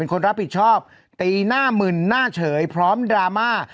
คนรับผิดชอบตีหน้ามึนหน้าเฉยพร้อมดราม่า